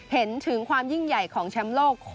เห็นถึงความยิ่งใหญ่ของแชมป์โลก